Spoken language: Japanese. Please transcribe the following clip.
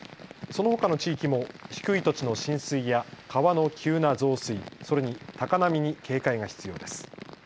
そのほかの地域も低い土地の浸水や川の急な増水、それに高波に警戒が必要です。